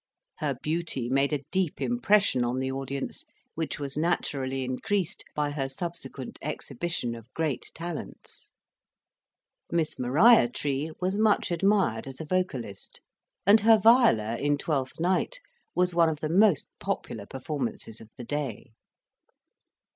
Her beauty made a deep impression on the audience, which was naturally increased by her subsequent exhibition of great talents. Miss Maria Tree was much admired as a vocalist, and her Viola, in Twelfth Night, was one of the most popular performances of the day.